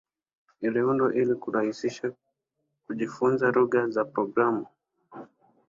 Iliundwa ili kurahisisha kujifunza lugha za programu.